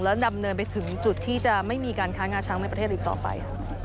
และดำเนินไปถึงจุดที่จะไม่มีการค้างาช้างในประเทศอีกต่อไป